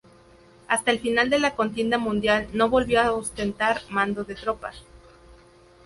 Hasta el final de la contienda mundial no volvió a ostentar mando de tropas.